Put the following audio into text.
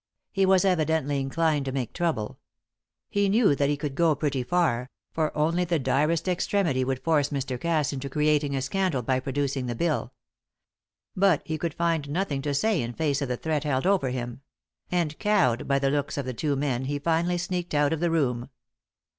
He was evidently inclined to make trouble. He knew that he could go pretty far, for only the direst extremity would force Mr. Cass into creating a scandal by producing the bill. But he could find nothing to say in face of the threat held over him; and, cowed by the looks of the two men, he finally sneaked out of the room.